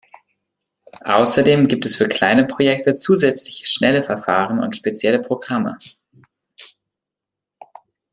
Außerdem gibt es für kleine Projekte zusätzliche schnelle Verfahren und spezielle Programme.